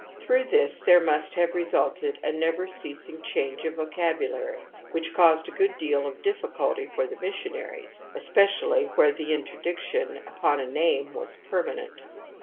Through this there must have resulted a never ceasing change of vocabu lary, which caused a good deal of difficulty for themissionaries, especiaUywheretheinterdiction upon a name was permanent.